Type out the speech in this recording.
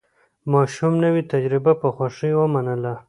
ماشوم نوې تجربه په خوښۍ ومنله